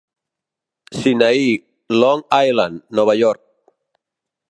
Sinaí, Long Island, Nova York.